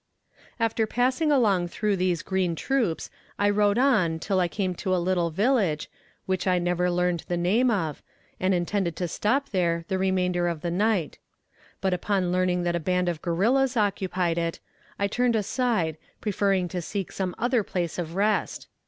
After passing along through these green troops I rode on till I came to a little village, which I never learned the name of, and intended to stop there the remainder of the night; but upon learning that a band of guerrillas occupied it, I turned aside, preferring to seek some other place of rest.